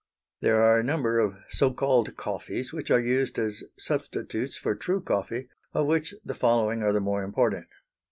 There are a number of so called coffees which are used as substitutes for true coffee, of which the following are the more important.